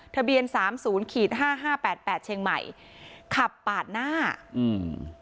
ทะเบียนสามศูนย์ขีดห้าห้าแปดแปดเชียงใหม่ขับปาดหน้าอืม